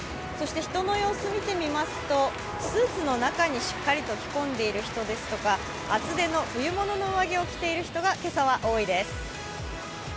人の様子見てみますとスーツの中にしっかりと着込んでいる人ですとか厚手の冬物の上着を着ている人が今朝は多いです。